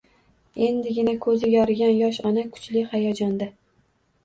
Endigina ko`zi yorigan yosh ona kuchli hayajonda